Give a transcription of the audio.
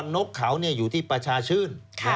นกเขาอยู่ที่ประชาชื่น